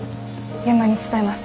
現場に伝えます。